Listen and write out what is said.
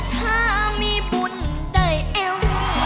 ถ้ามีบุญได้เอว